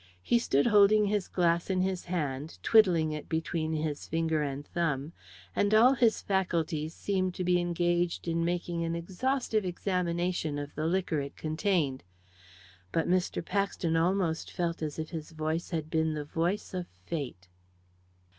He stood holding his glass in his hand, twiddling it between his finger and thumb, and all his faculties seemed to be engaged in making an exhaustive examination of the liquor it contained; but Mr. Paxton almost felt as if his voice had been the voice of fate.